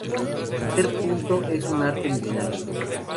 Hacer punto es un arte milenario.